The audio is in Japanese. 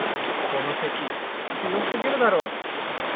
この敵、強すぎるだろ。